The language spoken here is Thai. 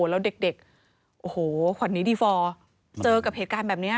แล้วเด็กโอ้โหขวัญนี้ดีฟอร์เจอกับเหตุการณ์แบบนี้